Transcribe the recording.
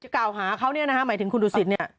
กล่าวหาเขาเนี่ยนะฮะหมายถึงคุณดูสิตเนี่ย